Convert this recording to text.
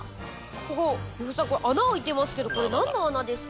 ここ呂布さんこれ穴開いてますけどこれ何の穴ですかね。